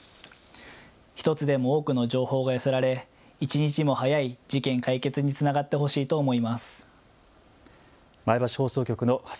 １つでも多くの情報が寄せられ一日も早い事件解決につながってほしいと思います。